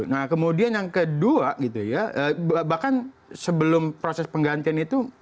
nah kemudian yang kedua gitu ya bahkan sebelum proses penggantian itu